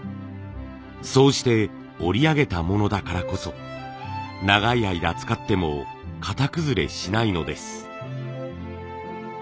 そうして織りあげたものだからこそ長い間使っても型崩れしないのです。